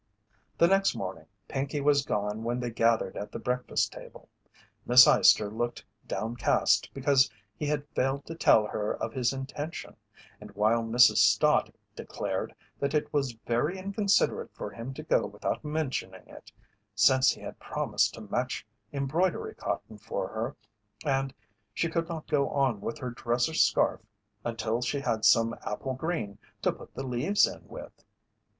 The next morning Pinkey was gone when they gathered at the breakfast table. Miss Eyester looked downcast because he had failed to tell her of his intention, while Mrs. Stott declared that it was very inconsiderate for him to go without mentioning it, since he had promised to match embroidery cotton for her and she could not go on with her dresser scarf until she had some apple green to put the leaves in with.